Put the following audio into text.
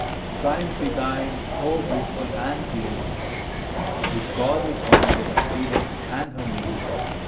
Triumph be thine, O beautiful and dear! Whose cause is one with Freedom and her name.